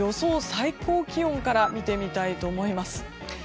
最高気温から見てみたいと思います。